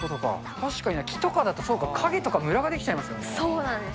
確かに木とかだと、そうか、影とか、むらが出来ちゃいますよそうなんです。